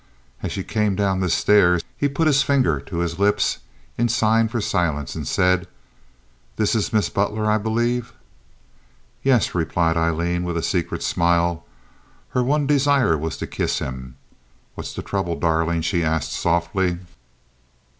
As she came down the stairs he put his finger to his lips in sign for silence, and said, "This is Miss Butler, I believe." "Yes," replied Aileen, with a secret smile. Her one desire was to kiss him. "What's the trouble darling?" she asked, softly.